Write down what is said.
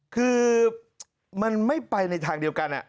คือมันไม่ไปในทางเดียวกัน